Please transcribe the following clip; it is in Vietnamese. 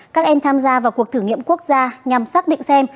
các em tham gia vào cuộc thử nghiệm quốc gia nhằm xác định xem